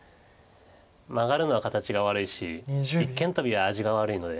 マガるのは形が悪いし一間トビは味が悪いので。